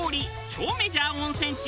超メジャー温泉地